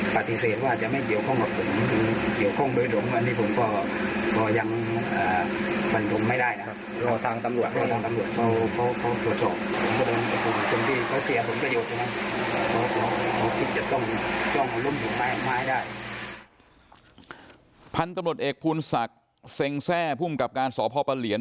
ผันตำรวจเอกพุนศักดิ์เซ็งแซ่พุ่มกับการสอบพเป้าเปลี่ยน